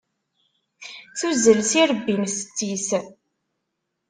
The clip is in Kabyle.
Tuzzel s irebbi n setti-s.